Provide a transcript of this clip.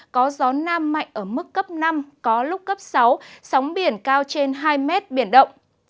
có gió nam mạnh ở mức cấp năm có lúc cấp sáu sóng biển cao trên hai mét biển động